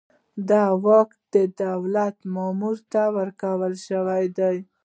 دا واک د دولت مامور ته ورکړل شوی دی.